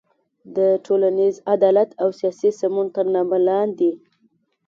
د ټولنیز عدالت او سیاسي سمون تر نامه لاندې